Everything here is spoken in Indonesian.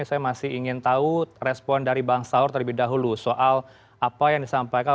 saya masih ingin tahu respon dari bang saur terlebih dahulu soal apa yang disampaikan